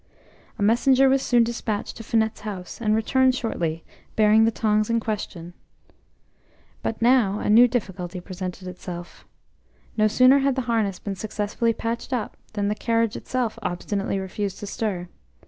A messenger was soon despatched to Finette's house, and returned shortly, bearing the tongs in question. But now a new difficulty presented itself. No sooner had the harness been successfully patched up, than the carriage itself obstinately refused to stir.